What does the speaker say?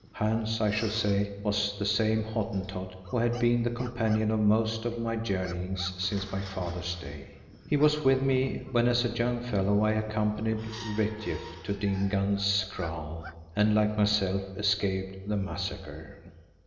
Hans, I should say, was that same Hottentot who had been the companion of most of my journeyings since my father's day. He was with me when as a young fellow I accompanied Retief to Dingaan's kraal, and like myself, escaped the massacre.